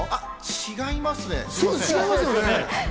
違いますよね？